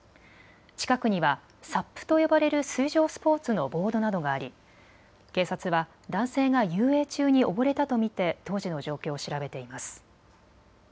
近くにはサップと呼ばれる水上スポーツのボードなどがあり警察は男性が遊泳中に溺れたと見て当時の状況を調べています。